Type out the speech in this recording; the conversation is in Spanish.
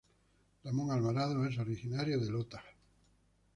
Ramón Alvarado es originario de Lota.